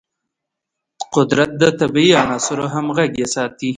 قدرت د طبیعي عناصرو همغږي ساتي.